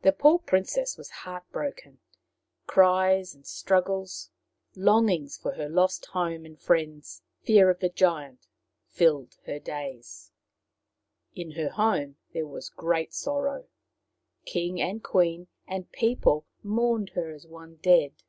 The poor princess was heartbroken. Cries and struggles, longings for her lost home and friends, fear of the giant, filled her days. 233 234 Maoriland Fairy Tales In her home there was great sorrow. King and queen and people mourned her as one dead.